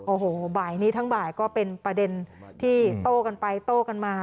โอ้โหบ่ายนี้ทั้งบ่ายก็เป็นประเด็นที่โต้กันไปโต้กันมา